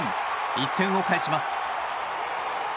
１点を返します。